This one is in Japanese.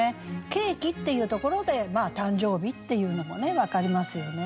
「ケーキ」っていうところで誕生日っていうのも分かりますよね。